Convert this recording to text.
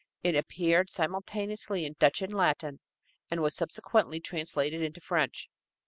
It appeared simultaneously in Dutch and Latin, and was subsequently translated into French.